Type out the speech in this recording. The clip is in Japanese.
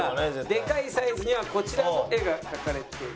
でかいサイズにはこちらの画が描かれています。